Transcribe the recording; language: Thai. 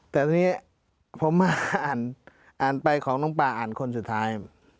แต่ทีนี้ผมมาอ่านไปของน้องปลาอ่านคนสุดท้าย